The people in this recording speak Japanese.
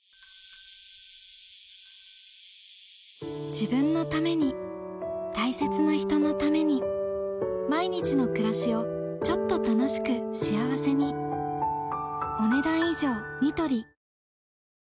自分のために大切な人のために毎日の暮らしをちょっと楽しく幸せに男性）